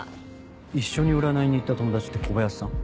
一緒に占いに行った友達って小林さん？